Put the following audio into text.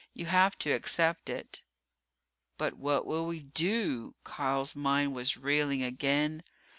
You have to accept it." "But what will we do?" Kial's mind was reeling again.